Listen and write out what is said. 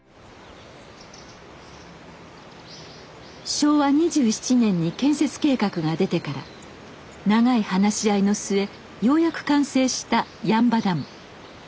昭和２７年に建設計画が出てから長い話し合いの末ようやく完成した八ッ場ダム。